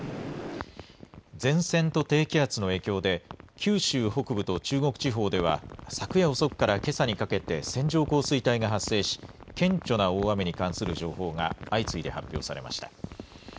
前線と低気圧の影響で九州北部と中国地方では昨夜遅くからけさにかけて線状降水帯が発生し顕著な大雨に関する情報が相次いで発表されました。